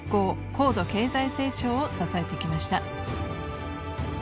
高度経済成長を支えてきました。